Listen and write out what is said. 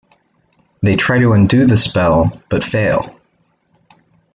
They try to undo the spell, but fail.